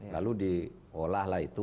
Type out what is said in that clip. lalu diolahlah itu